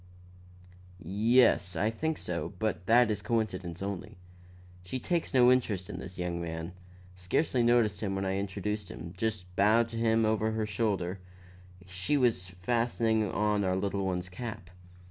"Yes, I think so; but that is a coincidence only. She takes no interest in this young man; scarcely noticed him when I introduced him; just bowed to him over her shoulder; she was fastening on our little one's cap.